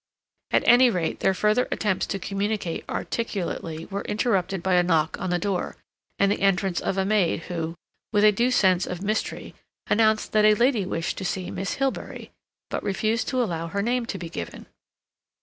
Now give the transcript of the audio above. At any rate, their further attempts to communicate articulately were interrupted by a knock on the door, and the entrance of a maid who, with a due sense of mystery, announced that a lady wished to see Miss Hilbery, but refused to allow her name to be given.